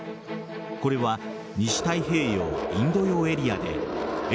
これは西太平洋・インド洋エリアでＦ‐３５